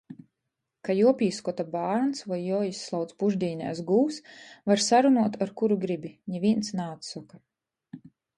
Ka juopīskota bārns voi juoizslauc pušdīnēs gūvs, var sarunuot ar kuru gribi, nivīns naatsoka.